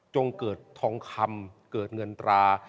เกิดทองคำเกิดเงินตรา